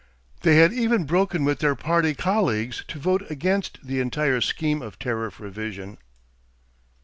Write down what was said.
They had even broken with their party colleagues to vote against the entire scheme of tariff revision.